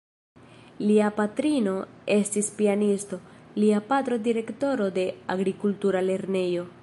Lia patrino estis pianisto, lia patro direktoro de agrikultura lernejo.